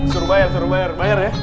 suruh bayar suruh bayar bayar ya